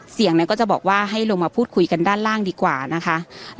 ก็จะบอกว่าให้ลงมาพูดคุยกันด้านล่างดีกว่านะคะ